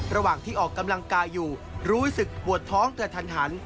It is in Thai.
ระหว่างที่ออกกำลังกายอยู่รู้สึกปวดท้องกระทันหัน